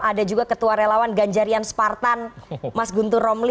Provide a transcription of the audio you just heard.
ada juga ketua relawan ganjarian spartan mas guntur romli